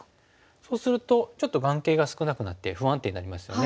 そうするとちょっと眼形が少なくなって不安定になりますよね。